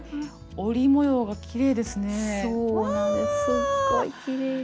すっごいきれいです。